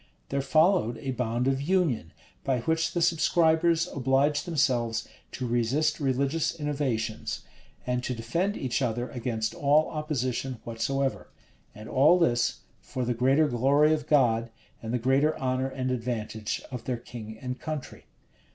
There followed a bond of union, by which the subscribers obliged themselves to resist religious innovations, and to defend each other against all opposition whatsoever: and all this, for the greater glory of God, and the greater honor and advantage of their king and country.